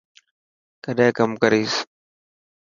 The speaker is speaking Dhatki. ڪڏهن ڪم ڪريس.